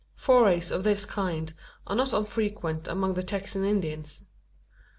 Forays of this kind are not unfrequent among the Texan Indians.